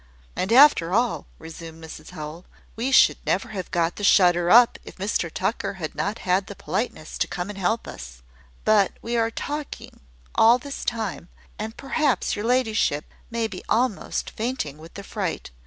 "And after all," resumed Mrs Howell, "we should never have got the shutter up, if Mr Tucker had not had the politeness to come and help us. But we are talking all this time, and perhaps your ladyship may be almost fainting with the fright.